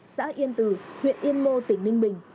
xã yên từ huyện yên mô tỉnh ninh bình